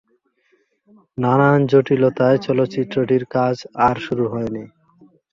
নানান জটিলতায় চলচ্চিত্রটির কাজ আর শুরু হয়নি।